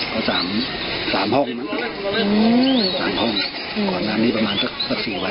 ก็๓ห้องมากนะอย่างนั้นประมาณ๔ไม่๕วัน